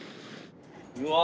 うわ！